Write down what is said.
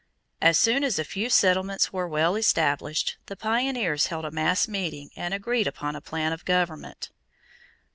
As soon as a few settlements were well established, the pioneers held a mass meeting and agreed upon a plan of government.